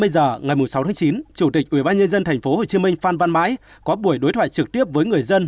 hai mươi giờ ngày sáu tháng chín chủ tịch ubnd tp hcm phan văn mãi có buổi đối thoại trực tiếp với người dân